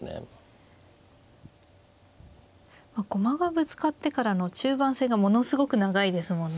駒がぶつかってからの中盤戦がものすごく長いですもんね。